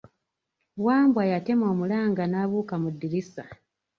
Wambwa yattema omulanga n'abuuka mu ddirisa.